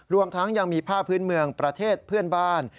รวมทั้งยังมีผ้าพื้นเมืองประเทศเพื่อนบ้าน